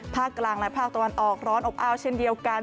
ภาคกลางและภาคตะวันออกร้อนอบอ้าวเช่นเดียวกัน